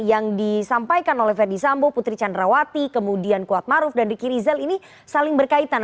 yang disampaikan oleh fendi sambo putri candrawati kemudian kuat maruf dan diki rizal ini saling berkaitan